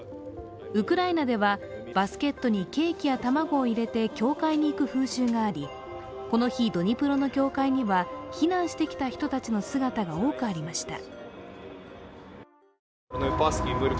ウクライナではバスケットにケーキや卵を煎れて教会に行く風習がありこの日、ドニプロの教会には避難してきた人たちの姿が多くありました。